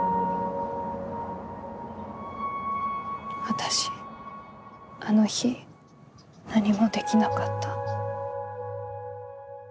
私あの日何もできなかった。